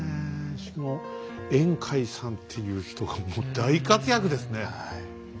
しかも円海さんっていう人がもう大活躍ですね。